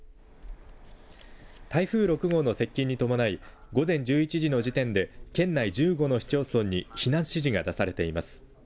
台風６号の接近に伴い午前１１時の時点で県内１５の市町村に避難指示が出されています。